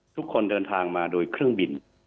ทุกคนเดินทางมาโดยเครื่องบิน